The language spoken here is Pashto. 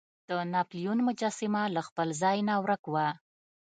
د ناپلیون مجسمه له خپل ځای نه ورک وه.